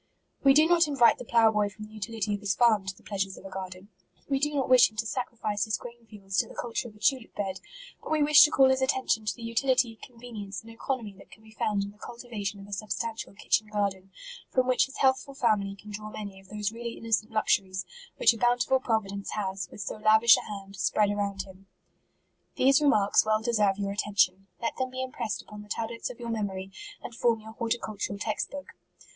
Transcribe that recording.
" We do not invite the plough boy from the utility of his farm, to the pleasures of a garden ; we do not wish him to sacrifice his grain fields to the culture of a tulip bed ; but we wish to call his attention to the utility, convenience, and economy that can be found in the cultivation of a substantial kitchen garden, from which his healthful family can draw many of those really innocent luxuries, which a bountiful providence has, with so lav ish a hand, spread around him." These remarks well deserve your atten tion. Let them be impressed upon the tab lets of your memory, and form your horti* cultural text book.